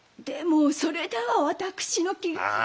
でもそれでは私の気が。